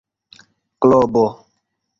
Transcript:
globo